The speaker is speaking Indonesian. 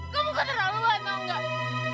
kamu keterlaluan tau gak